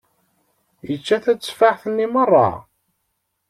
Yečča tateffaḥt-nni merra.